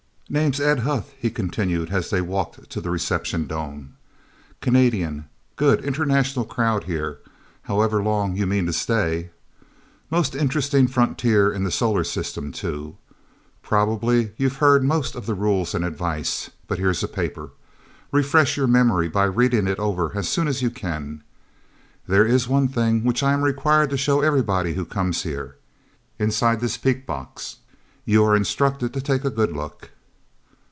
"Name's Ed Huth," he continued, as they walked to the reception dome. "Canadian. Good, international crowd here however long you mean to stay. Most interesting frontier in the solar system, too. Probably you've heard most of the rules and advice. But here's a paper. Refresh your memory by reading it over as soon as you can. There is one thing which I am required to show everybody who comes here. Inside this peek box. You are instructed to take a good look."